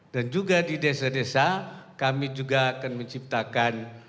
dan juga di desa desa kami juga akan menciptakan